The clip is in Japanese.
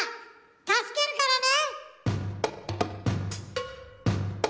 助けるからね！